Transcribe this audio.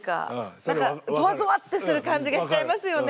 何かゾワゾワってする感じがしちゃいますよね。